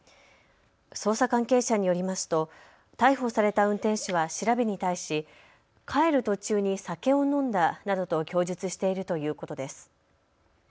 捜査関係者によりますと逮捕された運転手は調べに対し、帰る途中に酒を飲んだなどと供述しているということです。